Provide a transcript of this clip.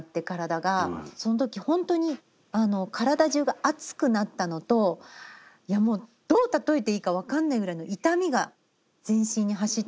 その時ほんとに体じゅうが熱くなったのといやもうどう例えていいか分かんないぐらいの痛みが全身に走ったんですね